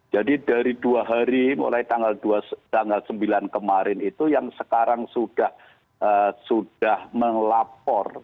jadi dari dua hari mulai tanggal sembilan kemarin itu yang sekarang sudah melapor